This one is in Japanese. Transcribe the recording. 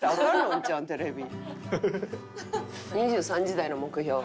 ２３時台の目標。